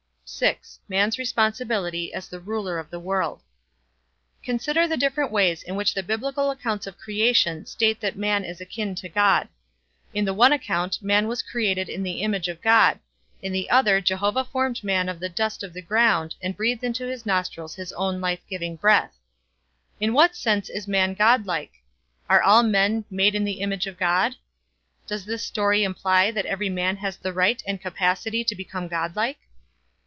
VI. MAN'S RESPONSIBILITY AS THE RULER OF THE WORLD. Consider the different ways in which the Biblical accounts of creation state that man is akin to God. In the one account man was created in the image of God; in the other Jehovah formed man of the dust of the ground and breathed into his nostrils his own life giving breath. In what sense is man God like? Are all men "made in the image of God"? Does this story imply that every man has the right and capacity to become God like?